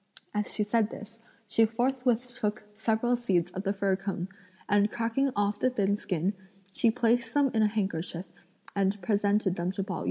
As she said this, she forthwith took several seeds of the fir cone, and cracking off the thin skin, she placed them in a handkerchief and presented them to Pao yü.